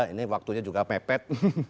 ini waktunya juga pepet